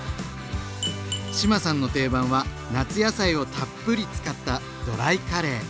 志麻さんの定番は夏野菜をたっぷり使ったドライカレー。